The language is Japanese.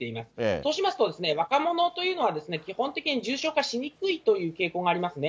そうしますと、若者というのは基本的に重症化しにくいという傾向がありますね。